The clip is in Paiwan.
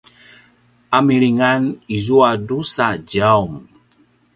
a milingan izua drusa djaum